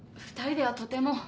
２人ではとても。